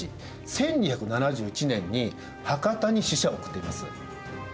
１２７１年に博多に使者を送っています。